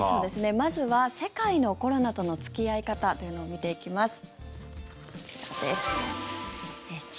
まずは世界のコロナとの付き合い方というのを見ていきます。